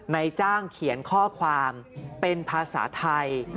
ในจ้างเขียนข้อความเป็นภาษาไทย